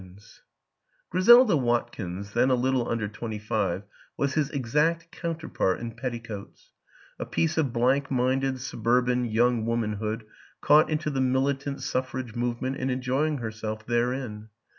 20 WILLIAM AN ENGLISHMAN Griselda Watkins, then a little under twenty five, was his exact counterpart in petticoats; a piece of blank minded, suburban young woman hood caught into the militant suffrage movement and enjoying herself therein.